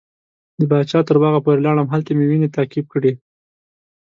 د پاچا تر باغه پورې لاړم هلته مې وینې تعقیب کړې.